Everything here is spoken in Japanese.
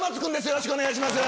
よろしくお願いします。